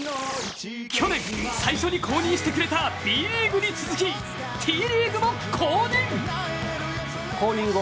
去年、最初に公認してくれたＢリーグに続きＴリーグも公認！